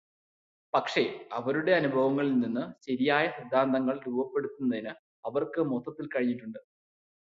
പക്ഷേ, അവയുടെ അനുഭവങ്ങളിൽ നിന്ന് ശരിയായ സിദ്ധാന്തങ്ങൾ രൂപപ്പെടുത്തുന്നതിന് അവർക്ക് മൊത്തത്തിൽ കഴിഞ്ഞിട്ടുണ്ടോ?